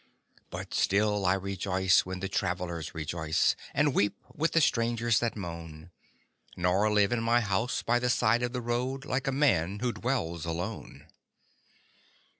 But still I rejoice when the travelers rejoice, And weep with the strangers that moan, Nor live in my house by the side of the road Like a man who dwells alone.